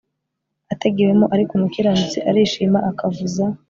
ategewemo Ariko umukiranutsi arishima akavuza